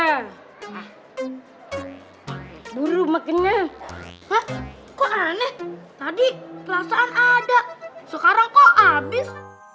kan buru makinnya kok aneh tadi pelasaan ada sekarang kok abis